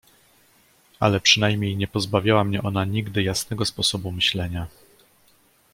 "Ale przynajmniej nie pozbawiała mnie ona nigdy jasnego sposobu myślenia."